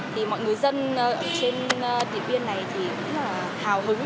thì mọi người dân ở trên điện biên này thì rất là hào hứng